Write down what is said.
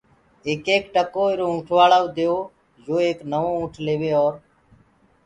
ايڪ ايڪ ٽڪو ايٚرو اُنٚٺوآݪائو ديئو يو ايڪ نوو اُنٚٺ ليوي اور